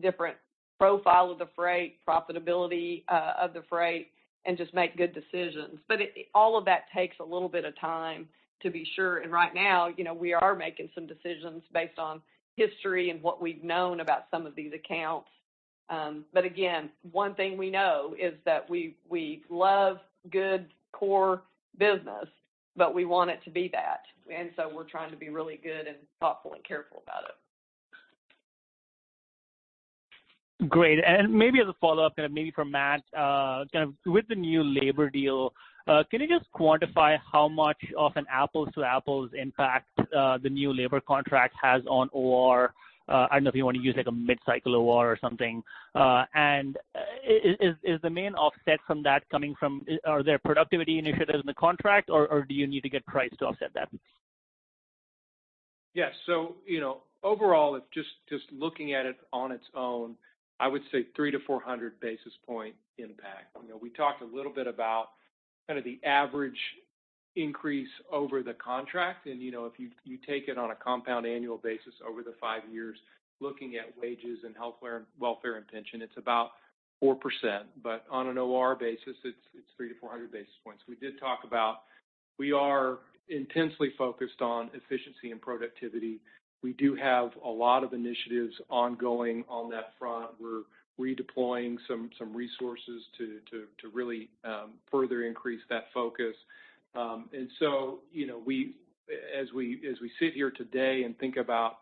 different profile of the freight, profitability of the freight and just make good decisions. It... All of that takes a little bit of time to be sure, and right now, you know, we are making some decisions based on history and what we've known about some of these accounts. Again, one thing we know is that we, we love good core business, but we want it to be that. So we're trying to be really good and thoughtful and careful about it. Great. Maybe as a follow-up, and maybe for Matt, kind of with the new labor deal, can you just quantify how much of an apples-to-apples impact the new labor contract has on OR? I don't know if you want to use, like, a mid-cycle OR or something. And is the main offset from that coming from, are there productivity initiatives in the contract, or, or do you need to get price to offset that? Yes. You know, overall, if just, just looking at it on its own, I would say 300-400 basis point impact. You know, we talked a little bit about kind of the average increase over the contract. You know, if you, you take it on a compound annual basis over the five years, looking at wages and healthcare, welfare, and pension, it's about 4%. On an OR basis, it's, it's 300-400 basis points. We did talk about we are intensely focused on efficiency and productivity. We do have a lot of initiatives ongoing on that front. We're redeploying some, some resources to, to, to really further increase that focus. You know, as we, as we sit here today and think about,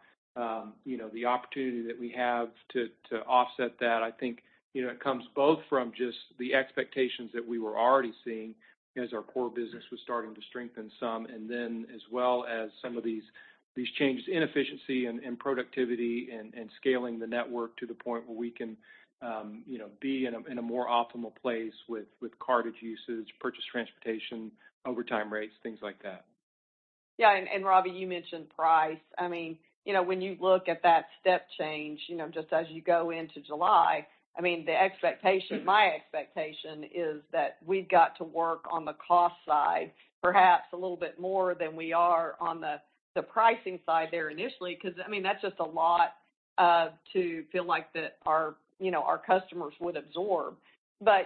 you know, the opportunity that we have to, to offset that, I think, you know, it comes both from just the expectations that we were already seeing as our core business was starting to strengthen some, and then as well as some of these, these changes in efficiency and, and productivity and, and scaling the network to the point where we can, you know, be in a, in a more optimal place with, with cartage usage, purchased transportation, overtime rates, things like that. Yeah, Ravi, you mentioned price. I mean, you know, when you look at that step change, you know, just as you go into July, I mean, the expectation, my expectation is that we've got to work on the cost side, perhaps a little bit more than we are on the, the pricing side there initially, because, I mean, that's just a lot to feel like that our, you know, our customers would absorb.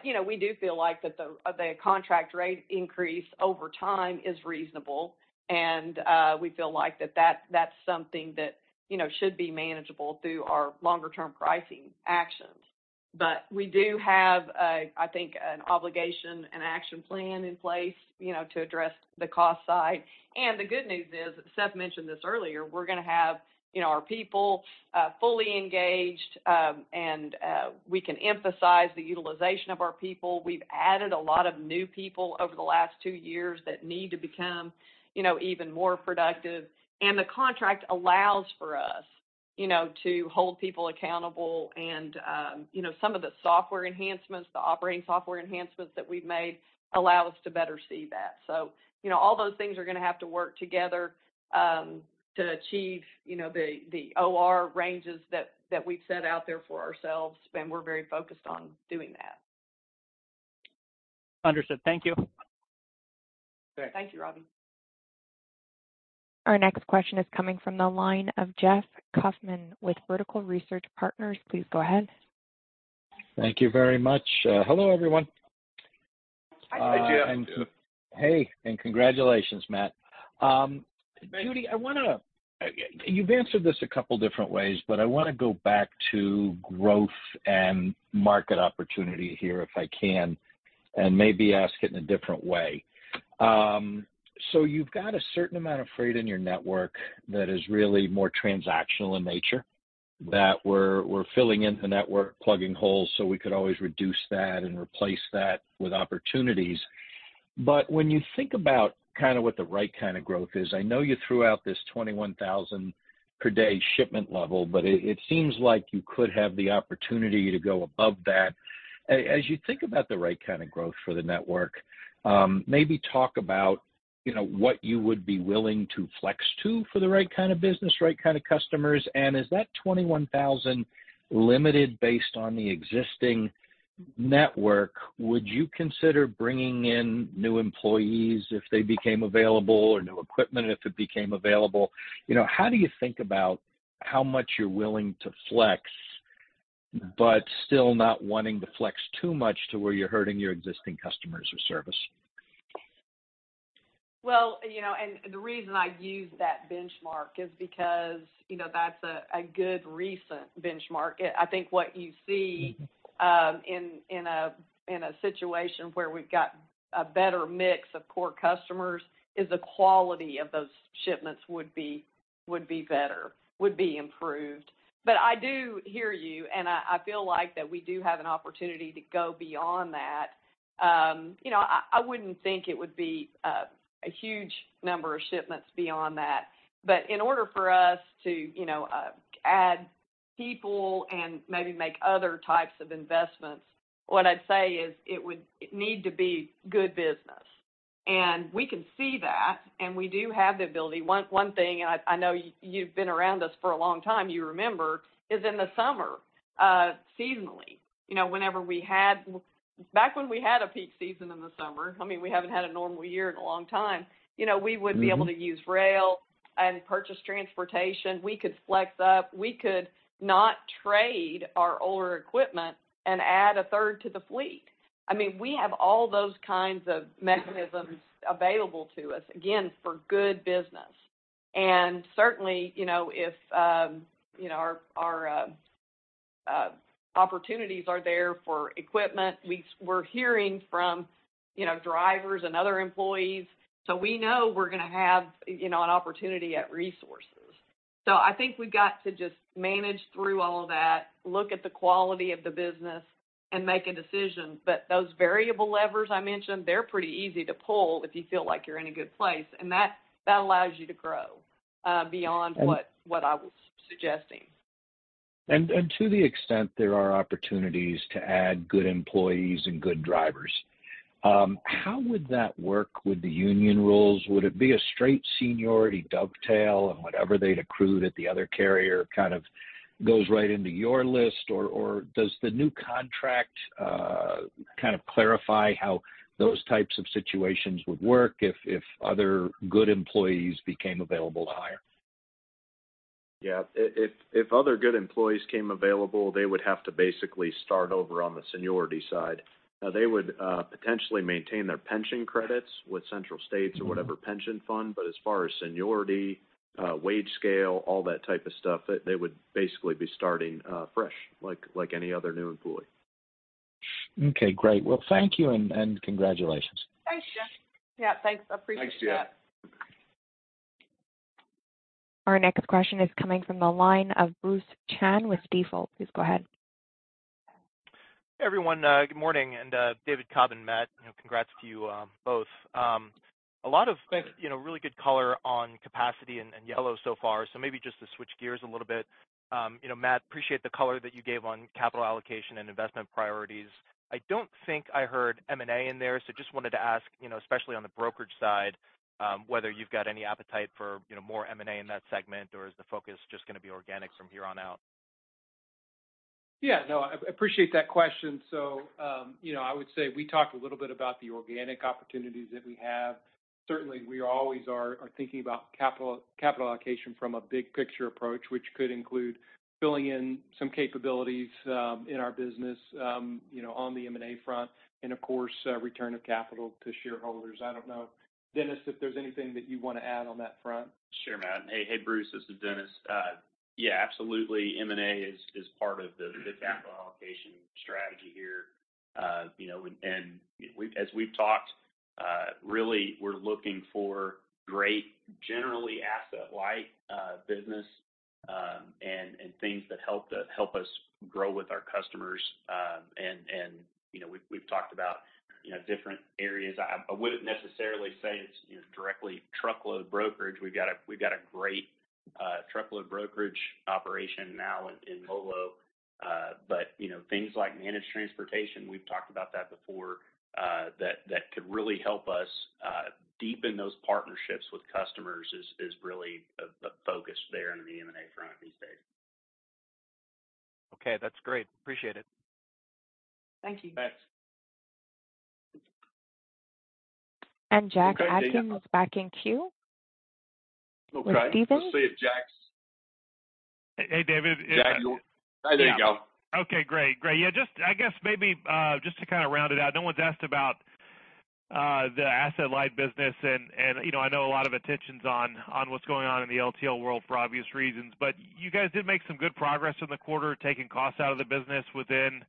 You know, we do feel like that the, the contract rate increase over time is reasonable, and we feel like that, that's something that, you know, should be manageable through our longer-term pricing actions. We do have a, I think, an obligation, an action plan in place, you know, to address the cost side. The good news is, Seth mentioned this earlier, we're going to have, you know, our people, fully engaged, and we can emphasize the utilization of our people. We've added a lot of new people over the last two years that need to become, you know, even more productive. The contract allows for us, you know, to hold people accountable. Some of the software enhancements, the operating software enhancements that we've made, allow us to better see that. All those things are going to have to work together to achieve, you know, the OR ranges that we've set out there for ourselves, and we're very focused on doing that. Understood. Thank you. Thanks. Thank you, Ravi. Our next question is coming from the line of Jeff Kauffman with Vertical Research Partners. Please go ahead. Thank you very much. Hello, everyone. Hi, Jeff. Hi, Jeff. Hey, congratulations, Matt. Judy, I want to... You've answered this a couple different ways, but I want to go back to growth and market opportunity here, if I can, and maybe ask it in a different way. You've got a certain amount of freight in your network that is really more transactional in nature?... that we're filling in the network, plugging holes, so we could always reduce that and replace that with opportunities. When you think about kind of what the right kind of growth is, I know you threw out this 21,000 per day shipment level, but it, it seems like you could have the opportunity to go above that. As you think about the right kind of growth for the network, maybe talk about, you know, what you would be willing to flex to for the right kind of business, right kind of customers, and is that 21,000 limited based on the existing network? Would you consider bringing in new employees if they became available, or new equipment if it became available? You know, how do you think about how much you're willing to flex, but still not wanting to flex too much to where you're hurting your existing customers or service? Well, you know, the reason I use that benchmark is because, you know, that's a, a good recent benchmark. I, I think what you see- Mm-hmm in a situation where we've got a better mix of core customers, is the quality of those shipments would be better, would be improved. I do hear you, and I, I feel like that we do have an opportunity to go beyond that. You know, I, I wouldn't think it would be a huge number of shipments beyond that, but in order for us to, you know, add people and maybe make other types of investments, what I'd say is, it would need to be good business. We can see that, and we do have the ability. One, one thing, and I, I know you've been around us for a long time, you remember, is in the summer, seasonally, you know, whenever we had... Back when we had a peak season in the summer, I mean, we haven't had a normal year in a long time, you know. Mm-hmm -we would be able to use rail and purchased transportation. We could flex up. We could not trade our older equipment and add a third to the fleet. I mean, we have all those kinds of mechanisms available to us, again, for good business. Certainly, you know, if, you know, our, our opportunities are there for equipment, we're hearing from, you know, drivers and other employees, so we know we're going to have, you know, an opportunity at resources. I think we've got to just manage through all of that, look at the quality of the business, and make a decision. Those variable levers I mentioned, they're pretty easy to pull if you feel like you're in a good place, and that allows you to grow, beyond... And- What I was suggesting. To the extent there are opportunities to add good employees and good drivers, how would that work with the union rules? Would it be a straight seniority dovetail, and whatever they'd accrued at the other carrier kind of goes right into your list? Does the new contract, kind of clarify how those types of situations would work if, if other good employees became available to hire? Yeah. If, if, if other good employees came available, they would have to basically start over on the seniority side. They would potentially maintain their pension credits with Central States- Mm-hmm Whatever pension fund, but as far as seniority, wage scale, all that type of stuff, they, they would basically be starting, fresh, like, like any other new employee. Okay, great. Well, thank you, and, and congratulations. Thanks, Jeff. Yeah, thanks. I appreciate that. Thanks, Jeff. Our next question is coming from the line of Bruce Chan with Stifel. Please go ahead. Everyone, good morning. David Cobb and Matt, congrats to you, both. You know, really good color on capacity and, and Yellow so far. Maybe just to switch gears a little bit, you know, Matt, appreciate the color that you gave on capital allocation and investment priorities. I don't think I heard M&A in there, so just wanted to ask, you know, especially on the brokerage side, whether you've got any appetite for, you know, more M&A in that segment, or is the focus just going to be organic from here on out? Yeah. No, I appreciate that question. You know, I would say we talked a little bit about the organic opportunities that we have. Certainly, we always are, are thinking about capital, capital allocation from a big picture approach, which could include filling in some capabilities in our business, you know, on the M&A front, and of course, return of capital to shareholders. I don't know, Dennis, if there's anything that you want to add on that front. Sure, Matt. Hey, hey, Bruce, this is Dennis. Yeah, absolutely, M&A is part of the capital allocation strategy here. You know, as we've talked, really, we're looking for great, generally asset-light, business, and things that help us grow with our customers. You know, we've talked about different areas. I wouldn't necessarily say it's directly truckload brokerage. We've got a great truckload brokerage operation now in MoLo. You know, things like managed transportation, we've talked about that before, that could really help us deepen those partnerships with customers, is really a focus there on the M&A front these days. Okay, that's great. Appreciate it. Thank you. Thanks. Jack Atkins is back in queue. Okay. With Steven. Let's see if Jack's- Hey, David. Jack, you... There you go. Okay, great. Great. Yeah, just I guess maybe, just to kind of round it out, no one's asked about, the Asset-Light business and, and, you know, I know a lot of attention's on, on what's going on in the LTL world for obvious reasons, but you guys did make some good progress in the quarter, taking costs out of the business within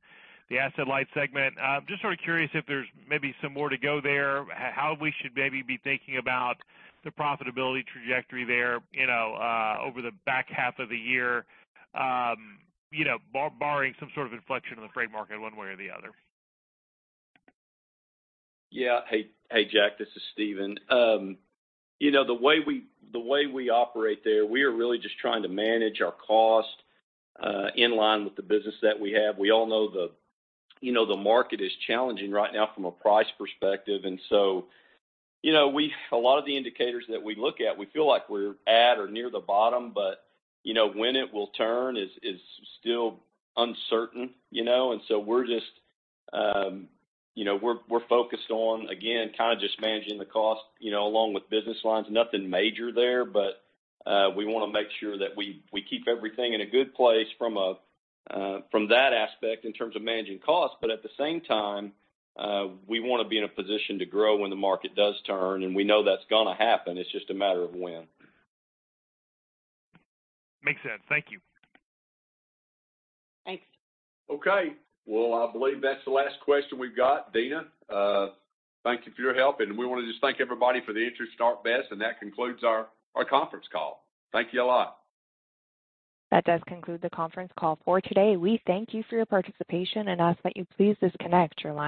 the Asset-Light segment. Just sort of curious if there's maybe some more to go there, how we should maybe be thinking about the profitability trajectory there, you know, over the back half of the year, you know, barring some sort of inflection in the freight market one way or the other? Yeah. Hey, hey, Jack, this is Steven. You know, the way we, the way we operate there, we are really just trying to manage our cost, in line with the business that we have. We all know the, you know, the market is challenging right now from a price perspective, you know, we... A lot of the indicators that we look at, we feel like we're at or near the bottom, but, you know, when it will turn is, is still uncertain, you know? We're just, you know, we're, we're focused on, again, kind of just managing the cost, you know, along with business lines. Nothing major there, but we want to make sure that we, we keep everything in a good place from a from that aspect in terms of managing costs, but at the same time, we want to be in a position to grow when the market does turn, and we know that's going to happen. It's just a matter of when. Makes sense. Thank you. Thanks. Okay. Well, I believe that's the last question we've got. Dina, thank you for your help, and we want to just thank everybody for the interest in ArcBest, and that concludes our conference call. Thank you a lot. That does conclude the conference call for today. We thank you for your participation and ask that you please disconnect your line.